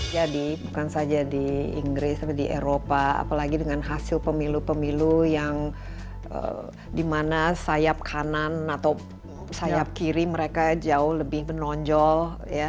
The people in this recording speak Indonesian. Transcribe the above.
jadi bukan saja di inggris tapi di eropa apalagi dengan hasil pemilu pemilu yang di mana sayap kanan atau sayap kiri mereka jauh lebih menonjol ya